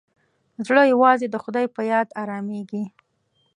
زړه یوازې د خدای په یاد ارامېږي.